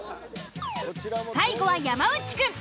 最後は山内くん。